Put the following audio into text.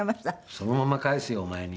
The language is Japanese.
そのまま返すよお前に。